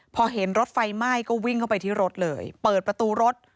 พอเห็นรถไฟไหม้ก็วิ่งเข้าไปที่รถเลยเปิดประตูรถ